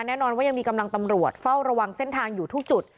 แน่นอนว่ายังมีกำลังตำรวจเฝ้าระวังเส้นทางอยู่ทุกจุด